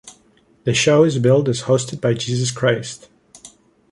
The show is billed as Hosted by Jesus Christ.